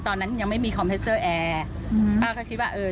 ตอนนั้นยังไม่มีแอร์อืมป้าเขาคิดว่าเออ